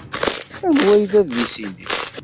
Anwa ay d adlis-nnek?